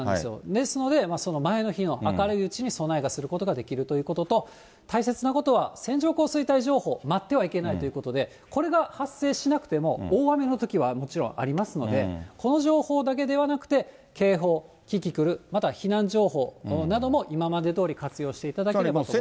ですので、その前の日の明るいうちに備えができるということと、大切なことは、線状降水帯情報を待ってはいけないということで、これが発生しなくても、大雨のときはもちろんありますので、この情報だけではなくて、警報、キキクル、また、避難情報なども今までどおり活用していただければと思い